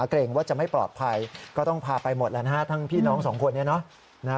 เกรงว่าจะไม่ปลอดภัยก็ต้องพาไปหมดแล้วนะฮะทั้งพี่น้องสองคนนี้เนาะ